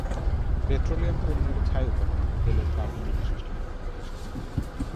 Petroleum পণ্যের ছাই উপাদান তেলের কার্বন অবশিষ্টাংশ থেকে এসেছে।